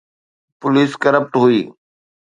Police corrupt هئي.